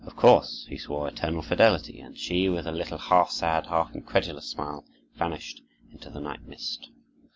Of course, he swore eternal fidelity, and she, with a little half sad, half incredulous smile, vanished into the night mist.